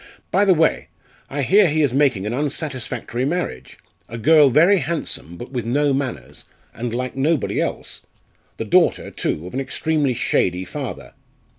By the way, I hear he is making an unsatisfactory marriage a girl very handsome, but with no manners, and like nobody else the daughter, too, of an extremely shady father.